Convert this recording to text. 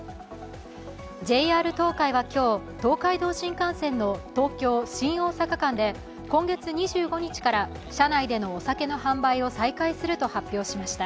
ＪＲ東海は今日、東海道新幹線の東京−新大阪間で今月２５日から車内でのお酒の販売を再開すると発表しました。